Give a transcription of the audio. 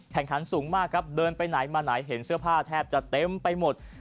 ขันสูงมากครับเดินไปไหนมาไหนเห็นเสื้อผ้าแทบจะเต็มไปหมด